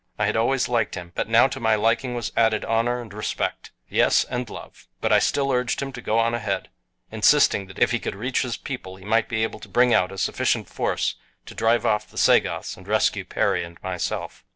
I had always liked him, but now to my liking was added honor and respect. Yes, and love. But still I urged him to go on ahead, insisting that if he could reach his people he might be able to bring out a sufficient force to drive off the Sagoths and rescue Perry and myself.